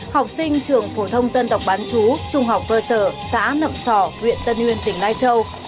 học sinh trường phổ thông dân tộc bán chú trung học cơ sở xã nậm sỏ huyện tân nguyên tỉnh lai châu